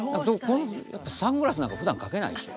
このサングラスなんかふだんかけないでしょ？